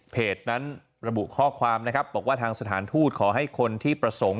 นั้นระบุข้อความนะครับบอกว่าทางสถานทูตขอให้คนที่ประสงค์